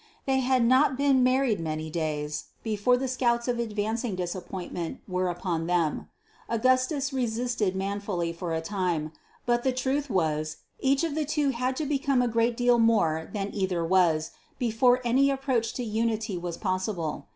They had not been married many days before the scouts of advancing disappointment were upon them. Augustus resisted manfully for a time. But the truth was each of the two had to become a great deal more than either was, before any approach to unity was possible.